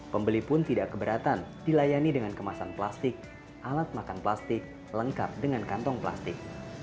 pembeli pun tidak keberatan dilayani dengan kemasan plastik alat makan plastik lengkap dengan kantong plastik